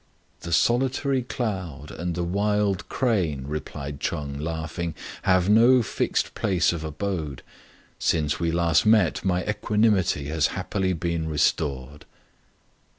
" The solitary cloud and the wild crane," replied Ch'eng, laughing, " have no fixed place of abode. Since we last met my equanimity has happily been restored."